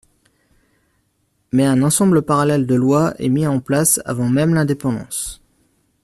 Mais un ensemble parallèle de lois est mis en place avant même l'indépendance.